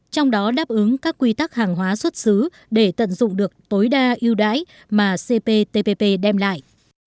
trong đó đáp ứng các quy tắc hàng hóa xuất xứ để tận dụng được tối đa ưu đãi mà cptpp đem lại